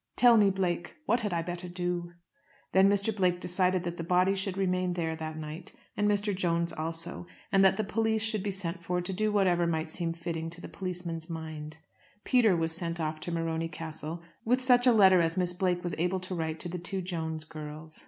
"Tell me, Blake, what had I better do?" Then Mr. Blake decided that the body should remain there that night, and Mr. Jones also, and that the police should be sent for to do whatever might seem fitting to the policemen's mind. Peter was sent off to Morony Castle with such a letter as Miss Blake was able to write to the two Jones girls.